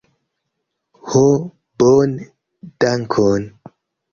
Ho, bone, dankon.